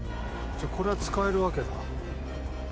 じゃあこれは使えるわけだ。